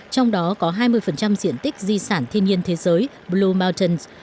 trong đó có hai mươi diện tích di sản thiên nhiên thế giới blue mountains